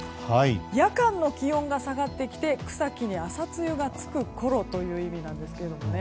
夜間の気温が下がってきて草木に朝露がつくころという意味なんですけれどもね。